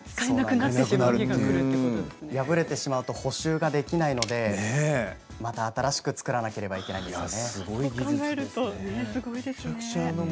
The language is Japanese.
破れてしまうと補修ができないのでまた新しく作らなければならないんですよね。